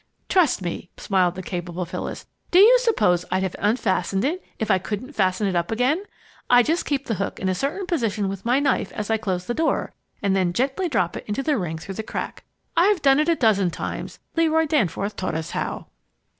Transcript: "Trust me!" smiled the capable Phyllis. "Do you suppose I'd have unfastened it if I couldn't fasten it up again? I just keep the hook in a certain position with my knife, as I close the door, and then gently drop it into the ring through the crack. I've done it a dozen times. Leroy Danforth taught us how."